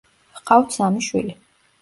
ჰყავთ სამი შვილი.